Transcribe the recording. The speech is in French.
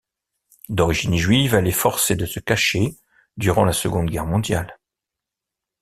D'origine juive, elle est forcée de se cacher durant la Seconde Guerre mondiale.